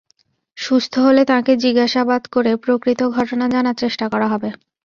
সুস্থ হলে তাঁকে জিজ্ঞাসাবাদ করে প্রকৃত ঘটনা জানার চেষ্টা করা হবে।